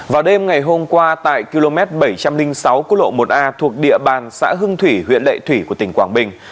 vào đêm ngày hôm qua tại km bảy trăm linh sáu cô lộ một a thuộc địa bàn xã hưng thủy huyện lệ thủy của tỉnh quảng bình